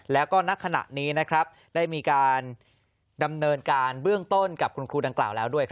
แล้วก็ณขณะนี้ได้มีการดำเนินการเบื้องต้นกับคุณครูดังกล่าวแล้วด้วย